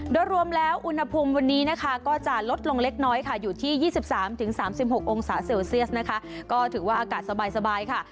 โดยรวมแล้วอุณหภูมิวันนี้นะคะก็จะลดลงเล็กน้อยค่ะอยู่ที่๒๓๓๖องศาเซลเซียสนะคะก็ถือว่าอากาศสบายค่ะ